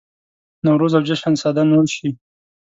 نوروز او جشن سده نور شي.